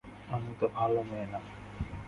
আমি তো ভালো মেয়ে না।